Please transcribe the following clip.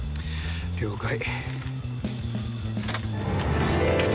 了解。